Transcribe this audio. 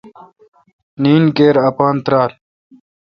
نین کیر اپان تیرال۔